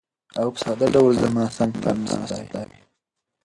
هغه په ساده ډول زما څنګ ته ناسته ده.